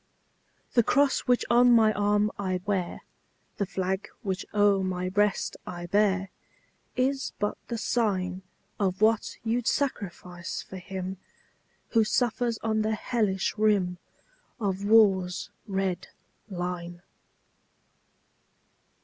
The cross which on my arm I wear, The flag which o'er my breast I bear, Is but the sign Of what you 'd sacrifice for him Who suffers on the hellish rim Of war's red line.